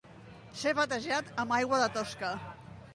Ser batejat amb aigua de tosca.